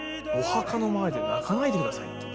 「お墓の前で泣かないでください」。